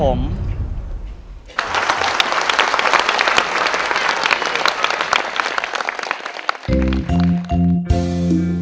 เป็นอินโทรเพลงที่๔มูลค่า๖๐๐๐๐บาท